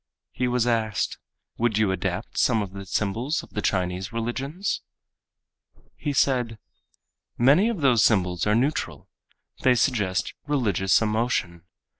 He was asked, "Would you adapt some of the symbols of the Chinese religions?" He said, "Many of those symbols are neutral. They suggest religious emotion.